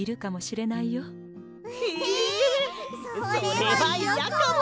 えそれはいやかも！